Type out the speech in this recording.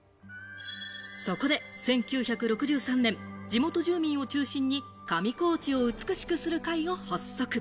そこで１９６３年、地元住民を中心に「上高地を美しくする会」を発足。